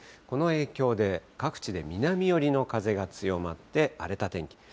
この影響で、各地で南寄りの風が強まって、荒れた天気。